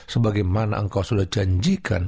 sebagaimana engkau sudah janjikan